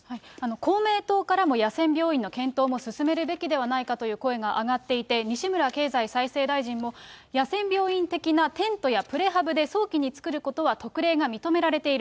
公明党からも野戦病院の検討も進めるべきではないかという声が上がっていて、西村経済再生担当大臣も野戦病院的なテントやプレハブで早期に作ることは特例が認められている。